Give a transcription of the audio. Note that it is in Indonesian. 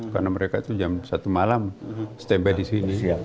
karena mereka tuh jam satu malam setembah di sini